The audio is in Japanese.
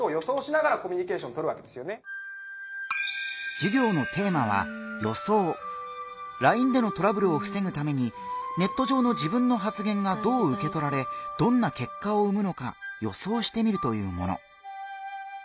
授業をしてくれるのはＬＩＮＥでのトラブルをふせぐためにネット上の自分の発言がどううけとられどんな結果を生むのか予想してみるというもの。